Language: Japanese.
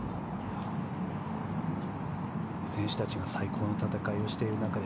選手たちが最高の戦いをしている中で